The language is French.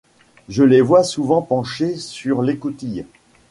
Je les vois souvent penchés sur l’écoutille.